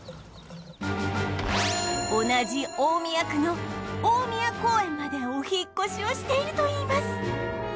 同じ大宮区の大宮公園までお引っ越しをしているといいます